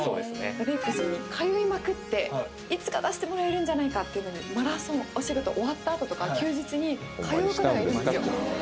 ロレックスに通いまくっていつか出してもらえるんじゃないかっていうのでマラソンお仕事終わったあととか休日に通う方がいるんですよ